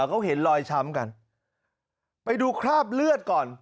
เขาเห็นรอยช้ำกันไปดูคราบเลือดก่อน